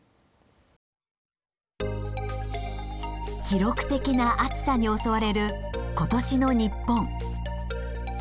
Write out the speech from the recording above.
記録的な暑さに襲われる今年の日本。